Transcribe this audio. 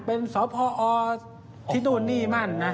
เป็นสพอที่นู่นนี่นั่นนะ